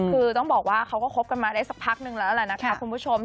คือต้องบอกว่าเขาก็คบกันมาได้สักพักนึงแล้วแหละนะคะคุณผู้ชม